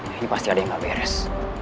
ini pasti ada yang gak beres